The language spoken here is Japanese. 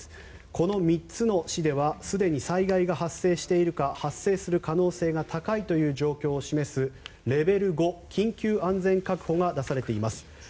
この３つの市ではすでに災害が発生しているか発生する可能性が高いという状況を示すレベル５、緊急安全確保が出されています。